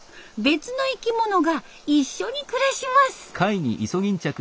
別の生き物が一緒に暮らします。